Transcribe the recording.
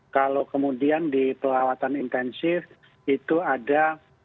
kalau kemudian di perawatan intensif itu ada